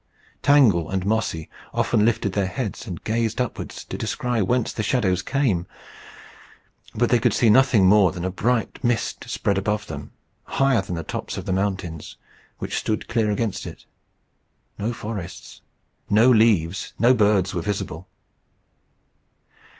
Tangle and Mossy often lifted their heads and gazed upwards to discry whence the shadows came; but they could see nothing more than a bright mist spread above them, higher than the tops of the mountains, which stood clear against it. No forests, no leaves, no birds were visible.